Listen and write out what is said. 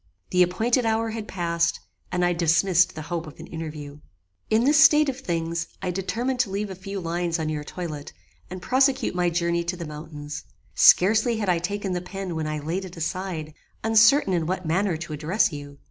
The appointed hour had passed, and I dismissed the hope of an interview. "In this state of things I determined to leave a few lines on your toilet, and prosecute my journey to the mountains. Scarcely had I taken the pen when I laid it aside, uncertain in what manner to address you.